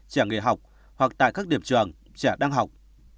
trẻ nghề học hoặc tại các điểm trường trẻ đang học